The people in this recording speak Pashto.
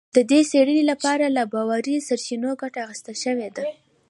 د دې څېړنې لپاره له باوري سرچینو ګټه اخیستل شوې ده